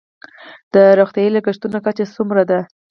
د روغتیايي لګښتونو کچه څومره ده؟